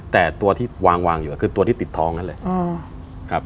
แต่ตัวที่วางอยู่คือตัวที่ติดทองนั้นเลย